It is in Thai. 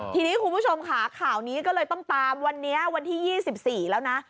วันนี้ครูผู้ชมขาข้าวนี้ก็เลยต้องตามวันที่๒๔แล้วนะ